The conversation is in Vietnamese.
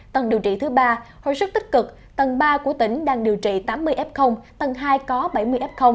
tầng điều trị thứ ba hồi sức tích cực tầng ba của tỉnh đang điều trị tám mươi f tầng hai có bảy mươi f